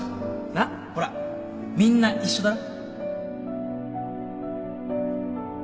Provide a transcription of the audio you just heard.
なっほらみんな一緒だろ？